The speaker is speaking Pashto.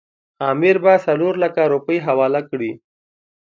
امیر به څلورلکه روپۍ حواله کړي.